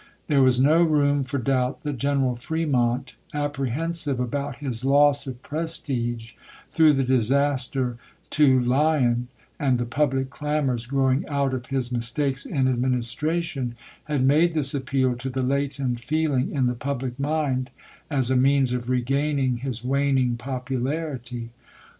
There was no room for doubt that General Fremont, apprehensive about his loss of prestige through the disaster to Lyon and the public clamors growing out of his mis takes in administration, had made this appeal to the latent feeling in the public mind as a means of regaining his waning popularity.